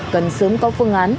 cần sớm có phương án